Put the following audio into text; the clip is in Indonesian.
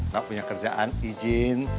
gak punya kerjaan izin